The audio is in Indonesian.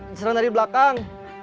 diserang dari belakang